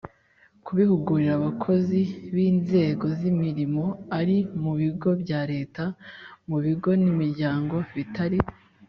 Kubihugurira abakozi b inzego z imirimo ari mu bigo bya leta mu bigo n imiryango bitari